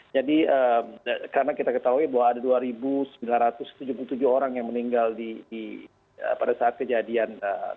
jadi karena kita ketahui bahwa ada dua sembilan ratus tujuh puluh tujuh orang yang meninggal pada saat kejadian sembilan sebelas